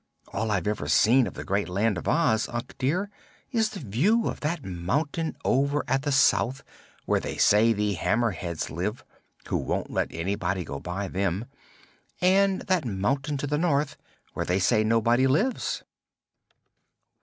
All I've ever seen of the great Land of Oz, Unc dear, is the view of that mountain over at the south, where they say the Hammerheads live who won't let anybody go by them and that mountain at the north, where they say nobody lives."